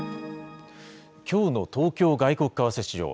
きょうの東京外国為替市場。